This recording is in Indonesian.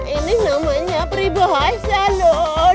ini namanya peribahasa lho